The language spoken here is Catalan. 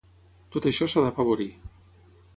Tot això s’ha d’afavorir.